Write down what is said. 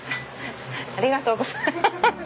ありがとうございます。